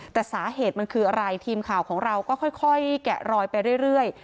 แต่สาเหตุมันคืออะไรทีมข่าวของเราก็ค่อยแกะรอยไปเรื่อย